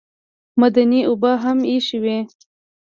معدني اوبه هم ایښې وې.